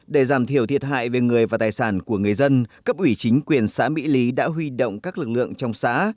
để giảm thiểu thiệt hại về người và tài sản của người dân cấp ủy chính quyền xã mỹ lý đã huy động các lực lượng trong xã